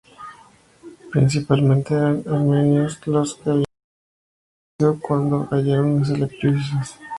Principalmente eran armenios los que habitaban Erzurum cuando cayeron los Selyúcidas.